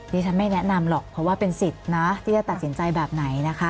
ดิฉันไม่แนะนำหรอกเพราะว่าเป็นสิทธิ์นะที่จะตัดสินใจแบบไหนนะคะ